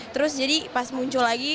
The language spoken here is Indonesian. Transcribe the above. terus jadi pas muncul lagi